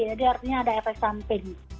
jadi artinya ada efek samping